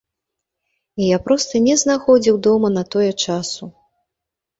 І я проста не знаходзіў дома на тое часу.